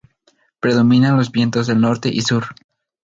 Predominan los vientos del norte y sur.